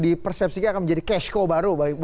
di persepsikan akan menjadi cash cow baru